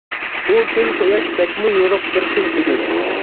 ئۇ كۈن قۇياش بەكمۇ يورۇق بىر كۈن ئىدى.